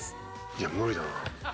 「いや無理だな」